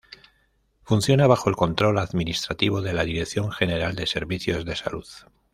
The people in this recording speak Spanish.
Funciona bajo el control administrativo de la Dirección General de Servicios de Salud.